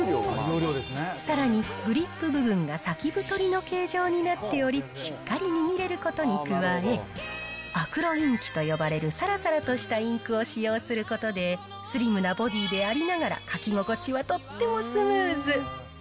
さらに、グリップ部分が先太りの形状になっており、しっかり握れることに加え、アクロインキと呼ばれるさらさらとしたインクを使用することで、スリムなボディでありながら、書き心地はとってもスムーズ。